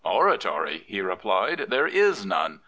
Oratory! " he replied. There is none.